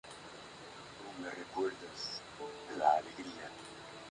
Orestes es desterrado y se lo somete a un juicio por su pecado.